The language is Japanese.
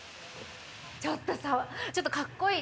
ちょっとさちょっとカッコいい！